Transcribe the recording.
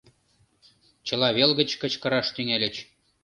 Чыла вел гыч кычкыраш тӱҥальыч.